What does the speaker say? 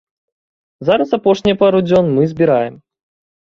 Зараз апошнія пару дзён мы збіраем.